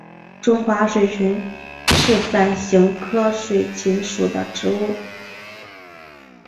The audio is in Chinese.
中华水芹是伞形科水芹属的植物。